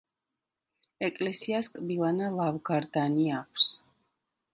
ეკლესიას კბილანა ლავგარდანი აქვს.